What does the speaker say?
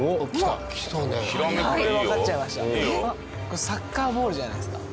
これサッカーボールじゃないですか？